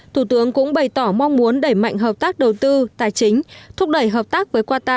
thủ tướng cũng bày tỏ mong muốn đẩy mạnh hợp tác đầu tư tài chính thúc đẩy hợp tác với qatar